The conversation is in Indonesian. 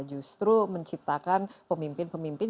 justru menciptakan pemimpin pemimpin